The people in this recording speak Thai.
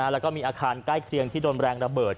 แล้วก็มีอาคารใกล้เคียงที่โดนแรงระเบิด